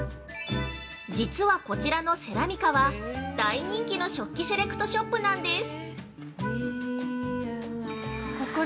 実はこちらのセラミカは大人気の食器セレクトショップなんです！